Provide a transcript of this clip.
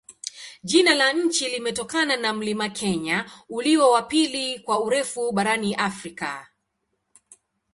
Jina la nchi limetokana na mlima Kenya, ulio wa pili kwa urefu barani Afrika.